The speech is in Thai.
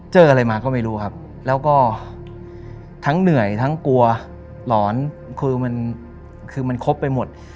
เจออะไรมาก็ไม่รู้ครับแล้วก็เงื่อยและกลัวหลอนคือมันคบไปหมด